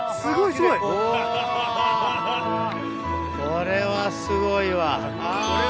これはすごいわ。